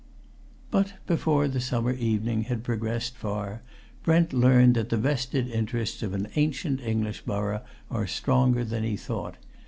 But before the summer evening had progressed far, Brent learnt that the vested interests of an ancient English borough are stronger than he thought.